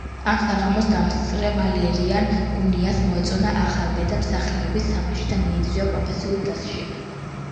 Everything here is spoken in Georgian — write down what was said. ამ საღამოს დამსწრე ვალერიან გუნიას მოეწონა ახალბედა მსახიობის თამაში და მიიწვია პროფესიულ დასში.